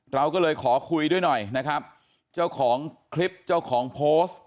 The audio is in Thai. เราก็เลยขอคุยด้วยหน่อยนะครับเจ้าของคลิปเจ้าของโพสต์